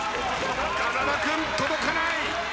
風間君届かない。